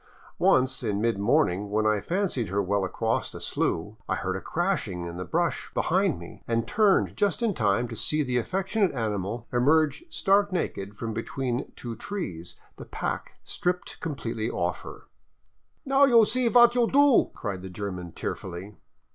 Once, in mid morning, when I fancied her well across a slough, I heard a crashing in the brush behind me and turned just in time to S7^ i SKIRTING THE GRAN CHACO see the affectionate animal emerge stark naked from between two trees, the pack stripped completely off her. " Now you see vat you do !" cried the German tearfully.